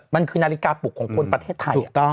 มันคือนาฬิกาปลุกของคนประเทศไทย